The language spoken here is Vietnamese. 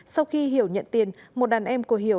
sau khi hiểu nhận tiền một đàn em của hiểu